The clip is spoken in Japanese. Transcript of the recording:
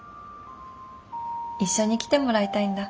一緒に来てもらいたいんだ？